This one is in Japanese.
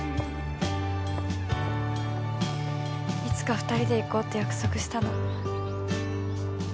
いつか２人で行こうって約束したの。